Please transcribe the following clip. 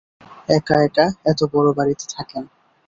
এক-একা এত বড় বাড়িতে থাকেন।